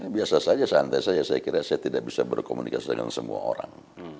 biasa saja santai saja saya kira saya tidak bisa berkomunikasi dengan semua orang